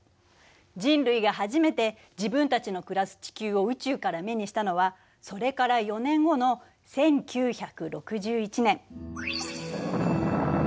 人類が初めて自分たちの暮らす地球を宇宙から目にしたのはそれから４年後の１９６１年。